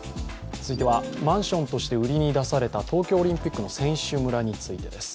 続いてはマンションとして売りに出された東京オリンピックの選手村についてです。